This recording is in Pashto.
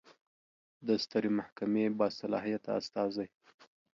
د سترې محکمې باصلاحیته استازی